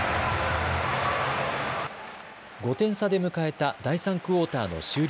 ５点差で迎えた第３クオーターの終了